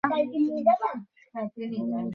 তিনি তার সহযোগী ছিলেন।